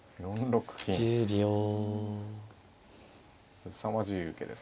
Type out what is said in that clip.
すさまじい受けですね。